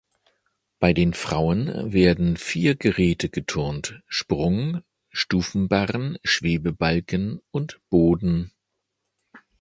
Bei den Frauen werden vier Geräte geturnt: Sprung, Stufenbarren, Schwebebalken und Boden.